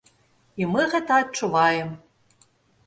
І мы гэта адчуваем.